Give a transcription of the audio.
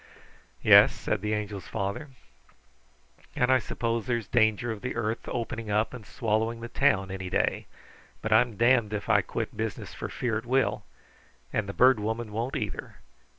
"Yes," said the Angel's father, "and I suppose there's danger of the earth opening up and swallowing the town any day, but I'm damned if I quit business for fear it will, and the Bird Woman won't, either.